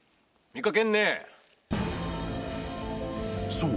［そう。